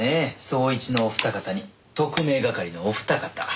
捜一のお二方に特命係のお二方。